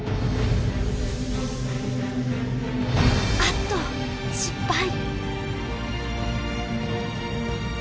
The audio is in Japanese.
あっと失敗！